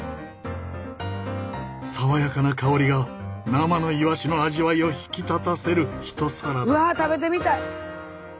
爽やかな香りが生のイワシの味わいを引き立たせる一皿だ。